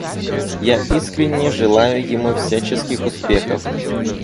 Я искренне желаю ему всяческих успехов.